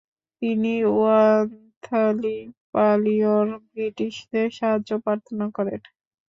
তিনি ওয়ান্থালি পালিয়র ব্রিটিশদের সাহায্য প্রার্থনা করেন।